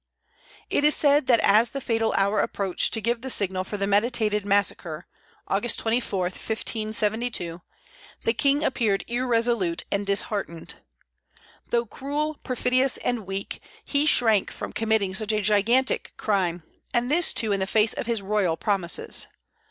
It is said that as the fatal hour approached to give the signal for the meditated massacre, Aug. 24, 1572, the King appeared irresolute and disheartened. Though cruel, perfidious, and weak, he shrank from committing such a gigantic crime, and this too in the face of his royal promises.